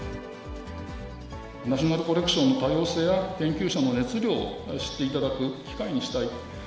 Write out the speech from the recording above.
ナショナルコレクションの多様性や研究者の熱量を知っていただく機会にしたい。